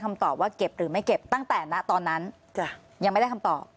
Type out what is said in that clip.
คำตอบว่าเก็บหรือไม่เก็บตั้งแต่นะตอนนั้นอย่างไม่ได้